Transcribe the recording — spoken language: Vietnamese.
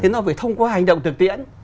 nó phải thông qua hành động thực tiễn